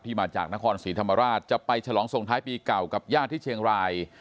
มาจากนครศรีธรรมราชจะไปฉลองส่งท้ายปีเก่ากับญาติที่เชียงราย